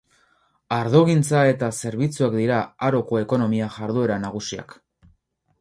Ardogintza eta zerbitzuak dira Haroko ekonomia jarduera nagusiak.